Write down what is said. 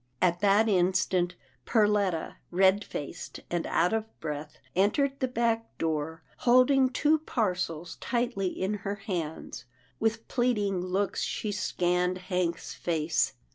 At that instant, Perletta, red faced and out of breath, entered the back door, holding two parcels tightly in her hands. With pleading looks she scanned Hank's face.